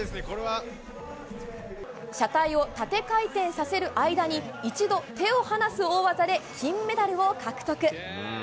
車体を縦回転させる間に一度、手を離す大技で金メダルを獲得。